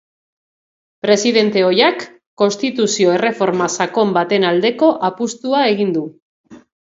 Presidente ohiak konstituzio erreforma sakon baten aldeko apustua egin du.